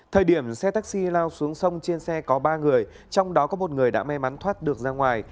thời điểm xe taxi lao xuống sông trên xe có ba người trong đó có một người đã may mắn thoát được ra ngoài